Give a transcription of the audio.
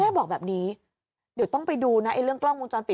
บอกแบบนี้เดี๋ยวต้องไปดูนะไอ้เรื่องกล้องวงจรปิด